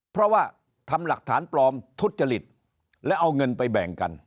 เพราะว่าทำหลักฐานปลอมทุจริตและเอาเงินไปแบ่งกัน